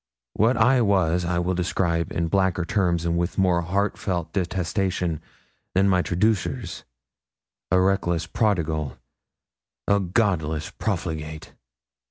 What I was I will describe in blacker terms, and with more heartfelt detestation, than my traducers a reckless prodigal, a godless profligate.